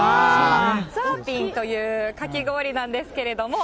ツァピィンというかき氷なんですけれども。